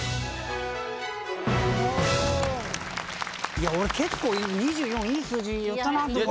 いや俺結構２４いい数字言ったなとか。